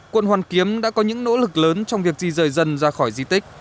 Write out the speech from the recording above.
quận hoàn kiếm đã có những nỗ lực lớn trong việc di rời dân ra khỏi di tích